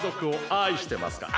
愛してます。